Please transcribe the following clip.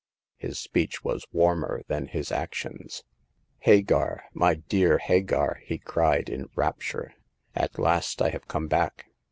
His speech was warmer than his actions. Hagar ! my dear Hagar !'* he cried, in rapt ure, at last I have come back.